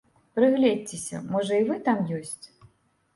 Прыгледзьцеся, можа і вы там ёсць?